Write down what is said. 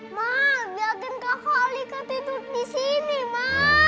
ma biarkan kakak alika tidur disini ma